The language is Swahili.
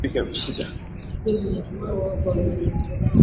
Rais wa Jamhuri ya Watu wa China na mwenyekiti wa